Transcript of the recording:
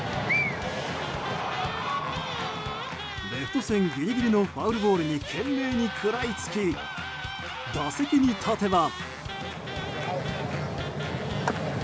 レフト線ギリギリのファウルボールに懸命に食らいつき打席に立てば。